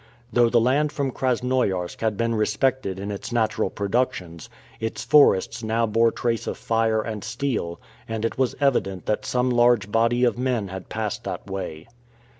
Though the land from Krasnoiarsk had been respected in its natural productions, its forests now bore trace of fire and steel; and it was evident that some large body of men had passed that way.